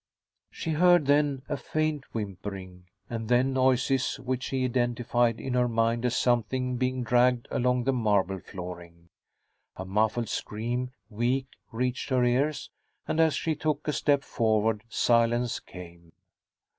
She heard, then, a faint whimpering, and then noises which she identified in her mind as something being dragged along the marble flooring. A muffled scream, weak, reached her ears, and as she took a step forward, silence came.